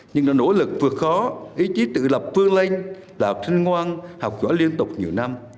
nhưng nó nỗ lực vượt khó ý chí tự lập vương linh đạt sinh ngoan học võ liên tục nhiều năm